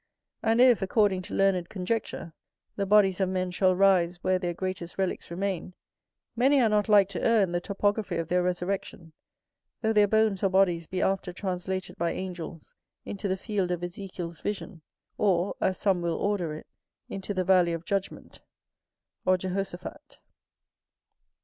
And if, according to learned conjecture, the bodies of men shall rise where their greatest relicks remain, many are not like to err in the topography of their resurrection, though their bones or bodies be after translated by angels into the field of Ezekiel's vision, or as some will order it, into the valley of judgment, or Jehosaphat.